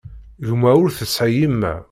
Gma ur d-tesɛi yemma.